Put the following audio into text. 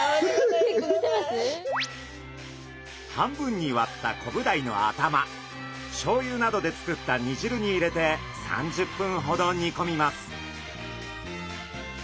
半分に割ったコブダイの頭しょうゆなどで作った煮じるに入れて３０分ほど煮込みます。